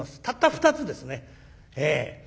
たった２つですね。